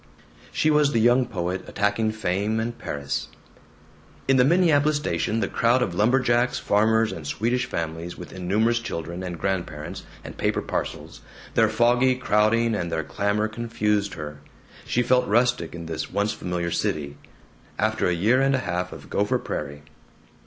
She was the young poet attacking fame and Paris. In the Minneapolis station the crowd of lumberjacks, farmers, and Swedish families with innumerous children and grandparents and paper parcels, their foggy crowding and their clamor confused her. She felt rustic in this once familiar city, after a year and a half of Gopher Prairie.